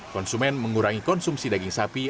konsumen mengurangi konsumsi daging sapi